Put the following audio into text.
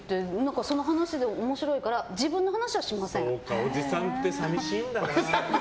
その話で面白いからそうか、おじさんって寂しいんだな。